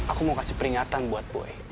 aku mau kasih peringatan buat gue